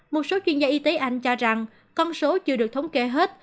một số chuyên gia y tế anh cho rằng con số chưa được thống kê hết